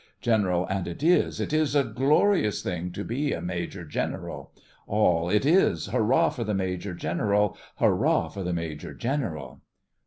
GENERAL: And it is, it is a glorious thing To be a Major General! ALL: It is! Hurrah for the Major General! Hurrah for the Major General!